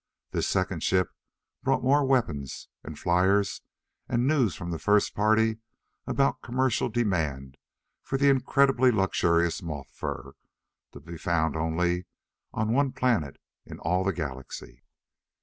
This second ship brought more weapons and fliers and news from the first party about commercial demand for the incredibly luxurious moth fur, to be found on only one planet in all the galaxy.